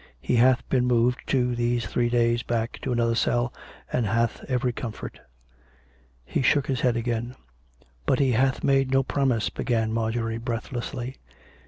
He hath been moved, too, these three days back, to another cell, and hath every comfort." He shook his head again. " But he hath made no promise " began Marjorie breathlessly.